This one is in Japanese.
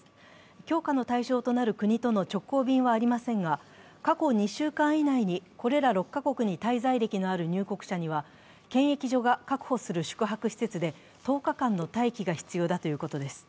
強化の対象となる国との直行便はありませんが、過去２週間以内にこれら６カ国に滞在歴のある入国者には、検疫所が確保する宿泊施設で、１０日間の待機が必要だということです。